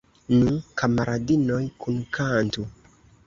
Nu, kamaradinoj, kunkantu!